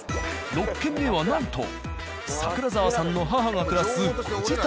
６軒目はなんと櫻澤さんの母が暮らすご自宅。